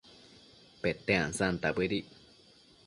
Pete ansanta bëdic